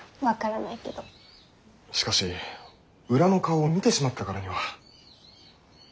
しかし裏の顔を見てしまったからには。